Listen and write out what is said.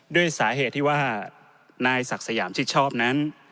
ด้วยสาเหตุที่ว่านายศักดิ์สยามชิดชอบนั้น